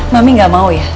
mami gak mau ya